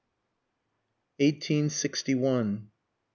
EIGHTEEN SIXTY ONE.